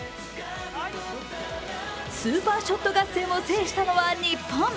スーパーショット合戦を制したのは日本。